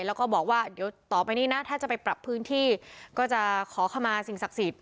แล้วก็บอกว่าเดี๋ยวต่อไปนี้นะถ้าจะไปปรับพื้นที่ก็จะขอเข้ามาสิ่งศักดิ์สิทธิ